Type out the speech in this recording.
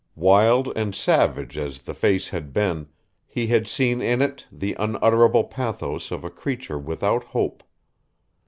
Wild and savage as the face had been, he had seen in it the unutterable pathos of a creature without hope.